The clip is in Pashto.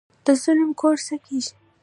د ظالم کور څه کیږي؟